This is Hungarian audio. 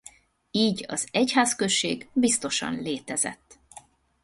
Így az egyházközség biztosan létezett.